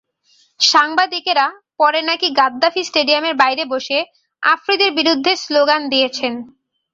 সাংবাদিকেরা পরে নাকি গাদ্দাফি স্টেডিয়ামের বাইরে বসে আফ্রিদির বিরুদ্ধে স্লোগান দিয়েছেন।